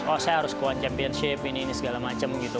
oh saya harus ke one championship ini ini segala macem gitu